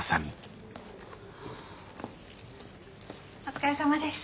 お疲れさまです。